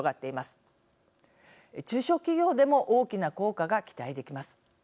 中小企業でも大きな効果が期待できます。